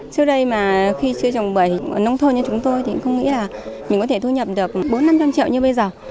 trước đây mà khi chưa trồng bưởi ở nông thôn như chúng tôi thì cũng không nghĩ là mình có thể thu nhập được bốn năm trăm linh triệu như bây giờ